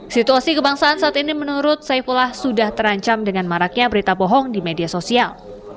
situasi kebangsaan saat ini menurut saifullah sudah terancam dengan maraknya berita bohong di media sosial